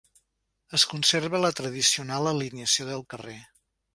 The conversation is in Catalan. Es conserva la tradicional alineació del carrer.